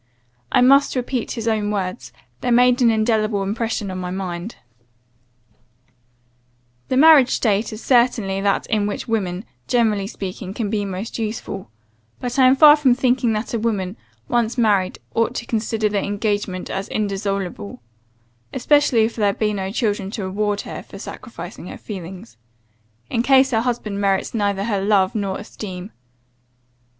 "I must repeat his own words; they made an indelible impression on my mind: "'The marriage state is certainly that in which women, generally speaking, can be most useful; but I am far from thinking that a woman, once married, ought to consider the engagement as indissoluble (especially if there be no children to reward her for sacrificing her feelings) in case her husband merits neither her love, nor esteem.